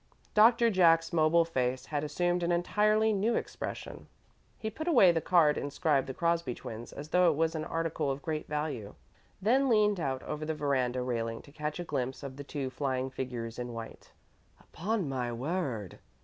Doctor Jack's mobile face had assumed an entirely new expression. He put away the card inscribed The Crosby Twins as though it were an article of great value, then leaned out over the veranda railing to catch a glimpse of the two flying figures in white. "Upon my word!"